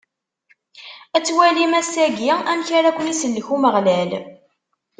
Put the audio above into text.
Ad twalim ass-agi, amek ara ken-isellek Umeɣlal.